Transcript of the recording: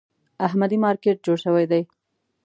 احمدي مارکېټ جوړ شوی دی.